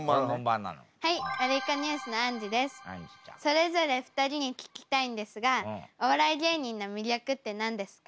それぞれ２人に聞きたいんですがお笑い芸人の魅力って何ですか？